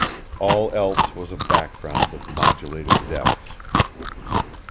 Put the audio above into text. All else was a background of modulated depths.